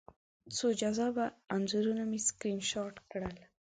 څو جذابه انځورونه مې سکرین شاټ کړل